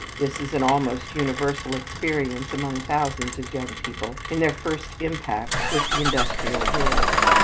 This is an almost universal experience among thousands of young people in their first impact with the industrial world.